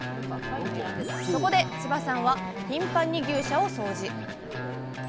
そこで千葉さんは頻繁に牛舎を掃除。